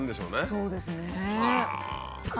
そうですね。はあ！